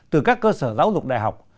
từ các cơ sở giáo dục đại học